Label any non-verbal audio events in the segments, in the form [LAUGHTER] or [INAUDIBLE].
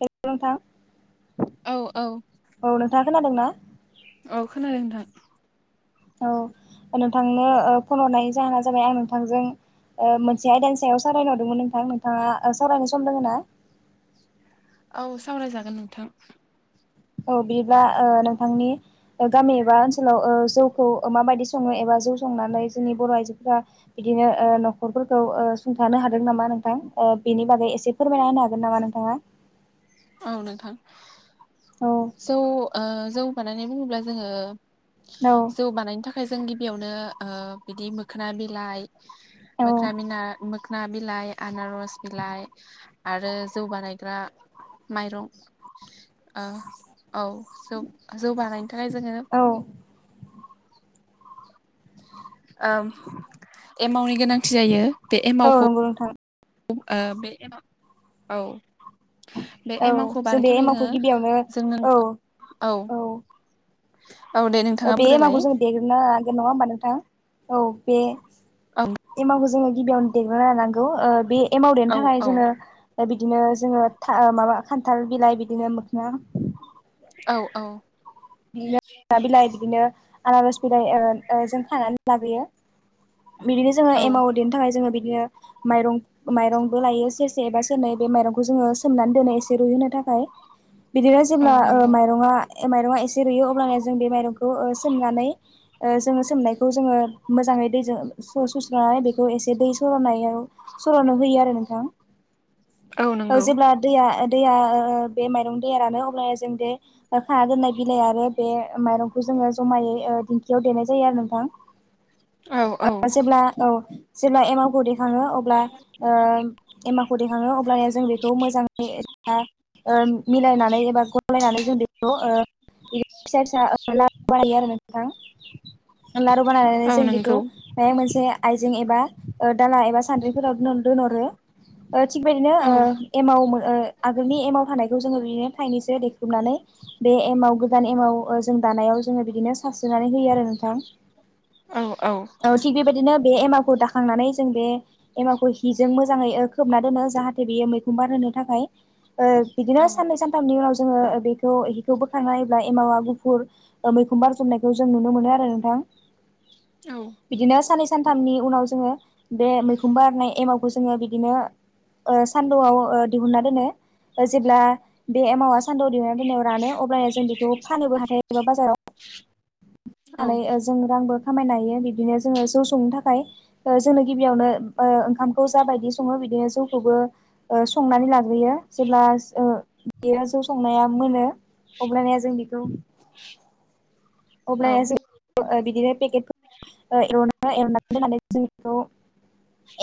[INAUDIBLE] थां औ औ औ नोंथाङा खोनादोंना औ खोनादों नोंथां औ नोंथांनो फन हरनायनि जाहोना जाबाय आं नोंथांजों ओ मोनसे आयदानि सायाव सावरायनो हरदोंमोन नोंथां नोंथाङा सावरायनो सम दोङो ना औ सावरायजागोन नोंथां औ बिब्ला ओ नोंथांनि गामि एबा ओनसोलाव जौ खौ माबायदि सङो एबा जौ संनानै जोंनि बर' आइजोफोरा बिदिनो ओ न'खरफोरखौ थानो हादों नामा नोंथां ओ बेनि बागै एसे फोरमायना होनो हागोन नामा नोंथाङा औ नोंथां औ जौ ओ जौ बानायनाय बुङोब्ला जोङो औ जौ बानायनि थाखाय जों गिबियावनो ओ बिदि मोखोना बिलाइ औ मोखाना बिलाइ आनारस बिलाइ आरो जौ बानायग्रा माइरं ओ औ जौ जौ बानायनो थाखाय जोङो औ ओम एमावनि गोनांथि जायो बे औ एमावखौ नंगौ नोंथां ओ बे एमाव औ बे औ एमावखौ जों बानायनो बे थाखाय जोङो एमावखौ गिबियावनो जोंनो औ औ औ दे नोंथाङा बे बुंग्रोलाय एमावखौ जों देगोना लानांगोन नङा होमबा नोंथां औ बे औ एमावखौ जोङो गिबियावनो देगोना लानांगौ ओ बे एमाव देरनो औ थाखाय औ जोङो बिदिनो जोङो था माबा खान्थाल बिलाइ बिदिनो मोखना औ औ बिदिनो बिलाइ बिदिनो आनारस बिलाइ ओ जों खानानै लाबोयो बिदिनो जोङो औ एमाव देनो थाखाय जोङो बिदिनो माइरं माइरंबो लायो सेरसे एबा सेरनै बे माइरंखौ जोङो सोमनानै दोनो एसे रुइहोनो थाखाय बिदिनो औ जेब्ला नंगौ माइरङा माइरङा एसे बेयो अब्ला ना जों बे माइरंखौ ओ सोमनायनै ओ सोमनायखौ जों मोजांयै दैजों सुफिननानै सुस्रांनानै बेखौ एसे दै सरनायाव सरनो होयो आरो नोंथां औ जेब्ला दैया दै दै बे माइरं दैया रानो अब्ला जों बे खाना दोननाय बिलाइ आरो बे माइरंखौ जोङो जमायै दिंखियाव देनाय जायो आरो नोंथां औ औ जेब्ला औ जेब्ला एमाव खौ देखाङो अब्ला एमावखौ देखाङो अब्लाना जों बेखौ खौ मोजाङै मिलायनानै एबा गलायनानै जों बेखौ ओ फिसा फिसा नोंथां [INAUDIBLE] लारु बानायनानै औ जों बेखौ नंगौ माबा मोनसे आइजें एबा ओ दाला एबा सानद्रिफोराव दोनरो ओ थिगबायदिनो औ ओ एमाव आगोलनि एमाव थानायखौ ओ जोङो बिदिनो थाइनैसो नानै। गोदान एमाव जों दानायाव जोंयी बिदिनो साबसिनानै होयो आरो नोंथां औ थिग बेबायदिनो बे एमाखौ दा खांनानै जों बे एमाखौ हिजों मोजाङै खोबना दोनो जाहाथे बेयो मैखं बार होनो थाखाय औ बिदिनो साननै सानथामनि उनाव जोङो बेखौ बोखांनायोब्ला एमावा गुफुर मैखुम बारजोबनायखौ जों नुनो मोनो आरो नोंथां बिदिनो साननै सानथामनि उनाव जोङो बे मैखुम बारनाय एमावखौ खौ जोङो बिदिनो सानदुंआव दिहुनना दोनो जेब्ला बे एमावा सान्दुं दिहुननानै दोननायाव रानो अब्ला जों बेखौ फाननोबो हाथाय बाजाराव [UNINTELLIGIBLE] नानै जों रांबो खामायनो हायो बिदिनो जोङो जौ संनो थाखाय जोंनो गिबियावनो ओंखामखौ जा बायदि सङो बिदिनो जौखौबो संनानै ला यो जेब्ला बेयो जौ संनाया मोनो अब्लाना जों बेखौ। [UNINTELLIGIBLE] [UNINTELLIGIBLE] खौ। औ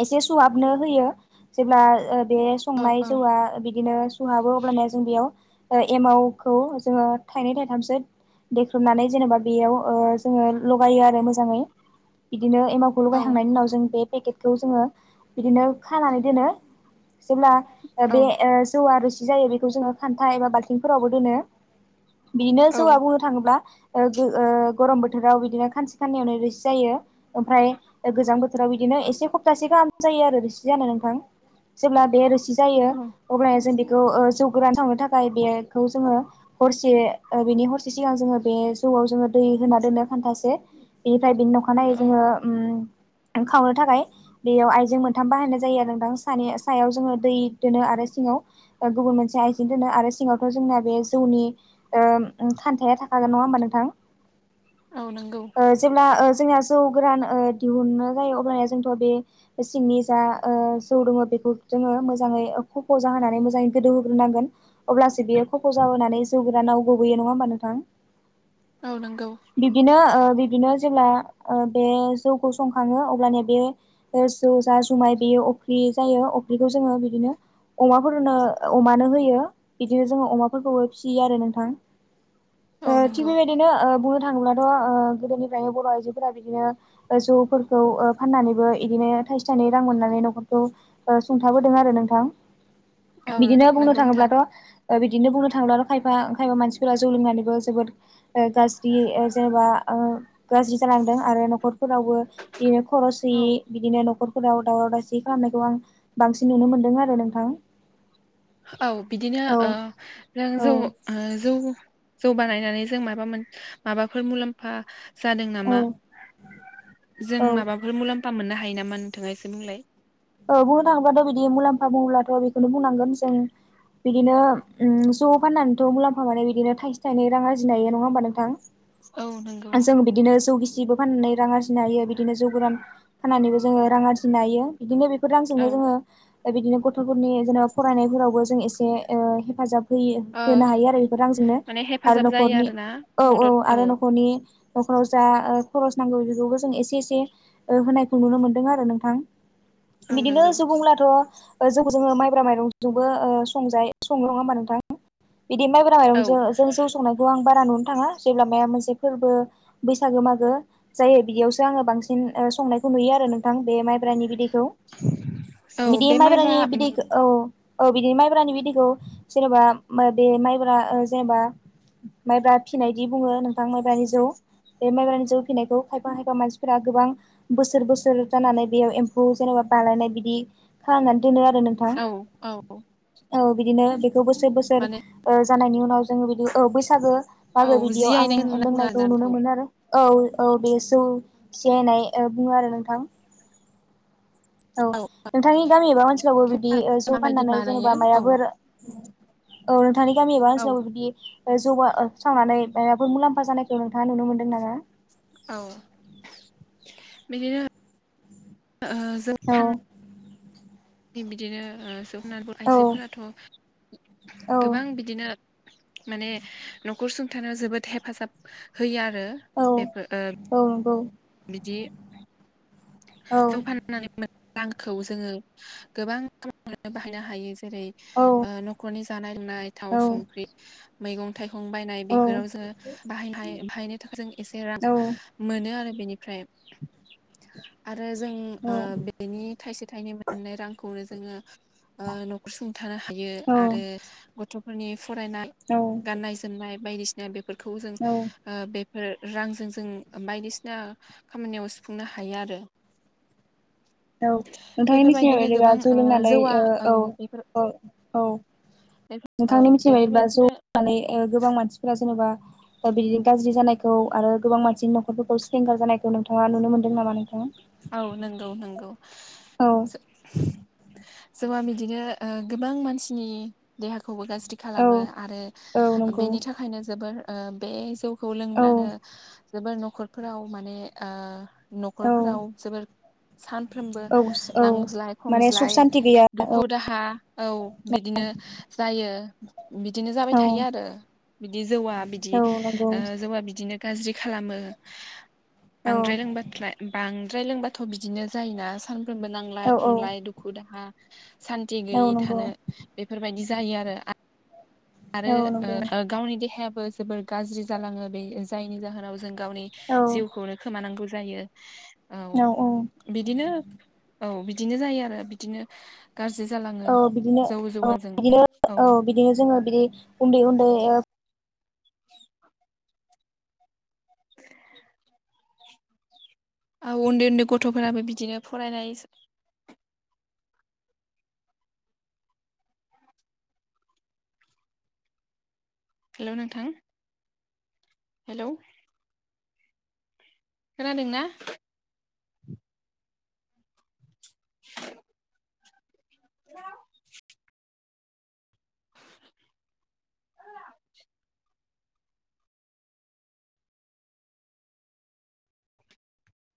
एसे सुहाबनो होयो जेब्ला ओ बे औ संनाय जौआ बिदिनो सुहाबो अब्ला जों बेयाव एमावखौ जोंयी थाइनै थाइथाम सो देखबनानै जेनेबा बेयाव ओ जोङो लगायो आरो मोजाङै। बिदिनो एमावखौ लगायखांनायनि उ‌नाव जों बे पेकेटखौ जोङो बिदिनो खानानै दोनो जेब्ला ओ बे ओ जौआ रोसि जायो बेखौ जोङो खान्था एबा बाल्थिंफोरावबो दोनो बिदिनो औ जौआ बुंनो थाङोब्ला ओह गो ओह गरम बोथोराव बिदिनो खानसे खानैयावनो रोसि जायो। ओमफ्राय गोजां बोथोराव बिदिनो एसे हप्तासे गाहाम जायो आरो रोसि जानो नोंथां जेब्ला बे रोसि जायो अब्लाहाय जों बेखौ ओ जौगोरान सावनो थाखाय बेखौ जोङो हरसे ओ बेनि हरसे सिगां जोङो बे जौआव जोङो दै होना दोनो खान्थासे बेनिफ्राय बिनि अखानायै औ जोङो उम खावनो थाखाय बेयाव आइजें मोनथाम बाहायनाय जायो आरो नोंथां सानै सायाव जोङो दै दोनो आरो सिङाव गुबुन मोनसे आइजें दोनो आरो सिङावथ' जोंना बे जौनि ओम ओन खान्थाया थाख हागोन नङा होमबा नोंथां औ नंगौ ओह जेब्ला ओ जोंया जौ गोरान दिहुन्नो जायो अब्लाहाय जोंथ' बे सिंनि जा ओह जौ दङ बेखौ जोङो मोजाङै खफ' जाहोनानै मोजाङै गोदौ होग्रोनांगोन। अब्लासो बियो खख' जाबोनानै जौ गोरानाव गोबोैयो नङा होमबा नोंथां औ नंगौ बिदिनो ओ बिदिनो जेब्ला ओह बे जौखौ संखाङो अब्लानिया बेयो ओह जौ जा जुमाय बेयो अफ फख्रि जायो अफ्रिखौ जोङो बिदिनो अमाफोरनो अमानो होयो बिदिनो जोङो अमाफोरखौबो फियो आरो नोंथां औ ओह थिग नंगौ बेबायदिनो ओह बहुत थाङोब्लाथ' ओह गोदोनिफ्रायनो बर' आइजोफोरा बिदिनो जौफोरखौ ओह फाननानैबो इदिनो थाइसे थाइनै रां मोननानै न'खरखौ ओह सुंथाबोदों आरो नोंथां औ बिदिनो नंगौ बुंनो नोंथां थाङोब्लाथ' बिदिनो बुंनो थाङोब्लाथ' खायफा बायाव मानसिफोरा जौ लोंनानैबो जोबोद ओ गाज्रि ओ जेनेबा ओ गाज्रि जालांदों आरो न'खरफोरावबो बेनो खरस बि औ बिदिनो न'खरफोराव दावराव दावसि खालामनायखौ आं बांसिन नुनो मोनदों आरो नोंथां। औ बिदिनो औ ओ नों औ जौ ओ जौ जौ बानायनानै जों माबा मोन माबाफोर मुलाम्फा जादों औ नामा जों औ माबाफोर मुलाम्फा मोननो हा हायो नामा नोंथाङासे बुंलाय। औ बुंनो थाङोबाथ' बिदि मुलाम्फा बुङोब्लाथ' बेखौनो बुंनांगोन जों बिदिनो उम जौ फाननानैथ' मुलाम्फा मानो बिदिनो थाइसे थाइनै रां आरजिनो हायो नङा होमबा नोंथां? औ नंगौ ओजों बिदिनो जौ गिसिबो फाननानै रां आरजिनो हायो। बिदिनो जौ गोरान फानानैबो जोङो रां आरजिनो हायो बिदिनो बेफोर रांजोंनो औ जोङो ओबिदिनो गथ'फोरनि जेनेबा फरायनायफोरावबो जों एसे ओ हेफाजाब होयो होनो औ हायो आरो बेफोर रांजोंनो माने आरो हेफाजाब जायो न'खरनि आरोना औ औ मदद आरो न'खरनि न'खराव जा ओ खरस नांगौ बेखौ जों एसे एसे ओ होनायखौ नुनो मोनदों आरो नोंथां। औ बिदिनो नंगौ सुबुंब्लाथ' ओ जौखौ जोङो माइब्रा माइरंजोंबो ओ संजायो संयो नङा होमा नोंथां। बिदि माइब्रा औ माइरंजों जों जौ संनायखौ आं बारा नुनो थाङा। जेब्ला माया मोनसे फोरबो बैसागो मागो जायो बिदियावसो आङो बांसिन ओ संनायखौ नुयो आ रो नोंथां बे माइब्रानि बिदैखौ। औ बिदि बे माइब्रा माइद्रानि बिदैख औ। औ बिदिनो माइब्रानि बिदिखौ जेनेबा मोबे माइब्रा जेनेबा माइबा फिनायदि बुङो नोंथां माइब्रानि जौ बे माइब्रानि जौ फैनायखौ खायफा खायफा मानसिफोरा गोबां बोसोर बोसोर जानानै बेयाव एम फौ जेनेबा बालायनाय बिदि खालामनानै दोनो आरो नोंथां, औ औ औ बिदिनो खौ बोसोर बोसोर माने ओ जानायनि उनाव जोङो बिदि औ बैसागो औ मागो बिदियाव आं जियायनाय लोंनायखौ होनना नुनो बुङो आरोना मोन आरो। औ औ बे जौ सियायनाय बुङो आरो नोंथां। औ नोंथांनि गामि एबा ओनसोलावबो बिदि जौ माबायदि फाननानै जेनेबा बानायो औ माइबाफोर औ नोंथांनि गामि एबा औ ओनसोलावबो बिदि जौ आ सावनानै माफोर मुलाम्फा जानायखौ नोंथाङा नुनो मोनदों ना? औ बिदिनो ओ जों औ फान बि बिदिनो [UNINTELLIGIBLE] औ आयजोफोराथ' औ गोबां बिदिनो माने न'खर सुंथानायाव जोबोद हेफाजाब होयो आ रो औ बेफो ओ औ नंगौ दि औ जौ फाननानै मो रांखौ जोङो गोबां खामानियाव बाहायनो हायो। जेरै औ ओ न'खरनि जानाय लोंनाय थाव औ संख्रि मैगं थाइ गं बायनाय औ बेफोराव जोङो बाहायनाय बाहायनो थाखाय जों एसे रां मोनो आरो। फ्राय आरो जों ओ बेनि थाइसे थायनै मोननाय रांखौनो जोङो ओ न'खर सुंथानो हायो आरो गथ' फोरनि फरायनाय औ गाननाय जोमनाय बायदिसिना बेफोरखौ जों औ ओ बे फोर रांजों जों बायदिसिना खामानियाव सुफुंनो हायो आरो। [INAUDIBLE] औ नोंथांनि मिथिनाय बेफोरबायदिनो बायदिब्ला गोबां जौ ओ लोंनानै जौवा ओ औ बेफोर औ औ औ नोंथांनि मिथिबायबादिबा जौ बेफोरबायदिनो लोंनानै ओ गोबां मानसिफोरा जेनेबा दा बिदि गाज्रि जानायखौ आरो गोबां मानसिनि न'खरफोरखौ सिलिंखार जानायखौ नोंथाङा नुनो मोनदों नामा नोंथाङा? औ नोंगौ नोंगौ। जो जौवा बिदिनो ओ गोबां मानसिनि देहा खौबो गाज्रि औ खालामो आरो औ नंगौ बेनि थाखायनो जोबोर ओ बे जौ खौ औ लोंब्लानो जोबोर न'खरफोराव माने ओ औ न'खरफोराव जोबोर सानफ्रोमबो औ औ नांज्लाय माने सुख खमज्लाय सान्ति गैया औ दुखु दाहा, औ बिदिनो जायो। बिदिनो जाबाय औ थायो आरो बिदि जौवा बिदि औ नंगौ ओ जौवा बिदिनो गाज्रि खालामो औ बांद्राय लोंबाथ्राइ बां बांद्राय लोंबाथ' बिदिनो जायोना सानफ्रोमबो नांलाय औ औ खमलाय दुखु दाहा सान्थि औ गैयै नंगौ थानो बेफोरबायदि जायो आरो। आरो औ नंगौ ओ गावनि देहायाबो जोबोर गाज्रि जालाङो बे जायनि जाहोनाव जों गावनि औ जिउखौनो खोमानांगौ जायो औ बिदिनो औ बिदिनो जायो आरो बिदिनो गाज्रि जालाङो औ बिदिनो जौ औ जौवाजों बिदिनो औ बिदिनो जोङो बिदि उन्दै उन्दै ओ औ उन्दै उन्दै गथ'फोराबो बिदिनो फरायनाय हेल' नोंथां। हेल'। खोनादों ना? [INAUDIBLE] [INAUDIBLE]